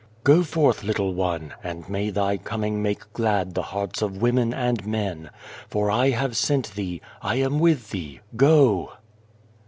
" 'Go forth little one, and may thy coming make glad the hearts of women and men, for I have sent thee, I am with thee. Go